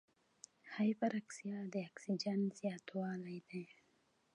د هایپراکسیا د اکسیجن زیاتوالی دی.